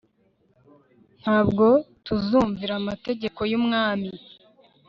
nta bwo tuzumvira amategeko y'umwami